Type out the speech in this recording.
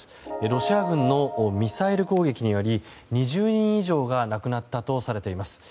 ロシア軍のミサイル攻撃により２０人以上が亡くなったとされています。